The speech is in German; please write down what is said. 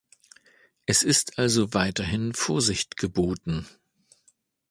Es ist also weiterhin Vorsicht geboten.